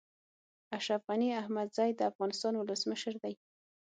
اشرف غني احمدزی د افغانستان ولسمشر دی